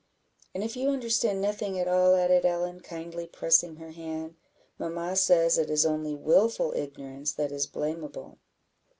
"And if you understand nothing at all," added Ellen, kindly pressing her hand, "mamma says it is only wilful ignorance that is blameable."